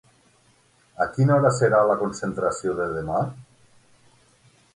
A quina hora serà la concentració de demà?